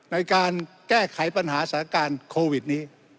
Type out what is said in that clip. ในการแก้ไขปัญหาสถานการณ์โควิดนี้